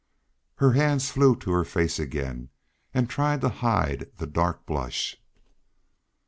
Her hands flew to her face again and tried to hide the dark blush.